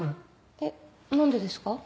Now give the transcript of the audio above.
えっ何でですか？